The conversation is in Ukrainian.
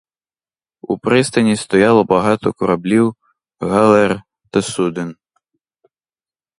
У пристані стояло багато кораблів, галер та суден.